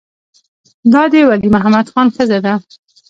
دا د ولی محمد خان ښځه ده.